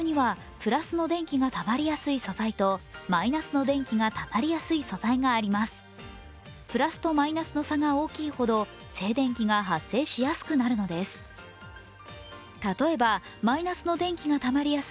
プラスとマイナスの差が大きいほど静電気が発生しやすくなるのです。